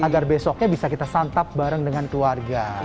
agar besoknya bisa kita santap bareng dengan keluarga